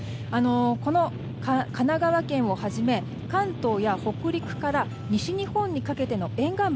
この神奈川県をはじめ関東や北陸から西日本にかけての沿岸部